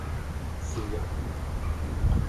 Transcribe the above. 豉油